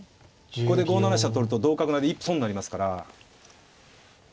ここで５七飛車取ると同角成で一歩損になりますから。